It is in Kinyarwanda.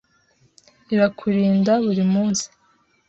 Irakurinda buri munsi.